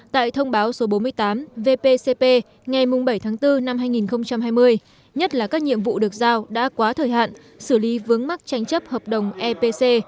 tại thông báo số bốn mươi tám vpcp ngày bảy tháng bốn năm hai nghìn hai mươi nhất là các nhiệm vụ được giao đã quá thời hạn xử lý vướng mắc tranh chấp hợp đồng epc